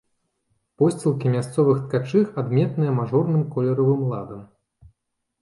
Посцілкі мясцовых ткачых адметныя мажорным колеравым ладам.